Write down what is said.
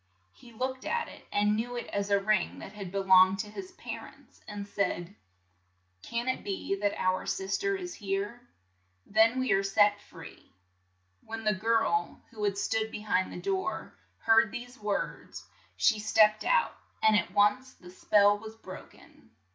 He looked at it, and knew it as a ring that had be longed to his par ents, and said, "Can it be that our sis ter is here ? Then we are set free 1 '' When the girl, who had stood be hind the door, heard these words, she stepped out, and at once the spell was bro ken.